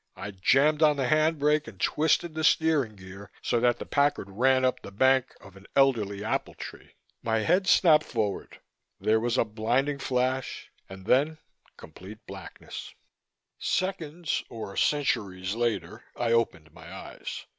I jammed on the hand brake and twisted the steering gear so that the Packard ran up the bank of an elderly apple tree. My head snapped forward, there was a blinding flash and then complete blackness. Seconds or centuries later I opened my eyes.